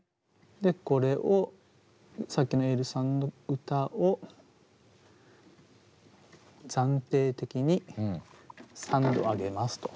でこれをさっきのｅｉｌｌさんの歌を暫定的に３度上げますと。